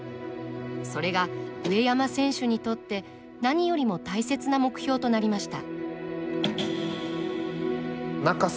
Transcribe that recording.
それが、上山選手にとって何よりも大切な目標となりました。